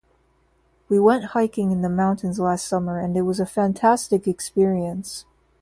We went hiking in the mountains last summer and it was a fantastic experience.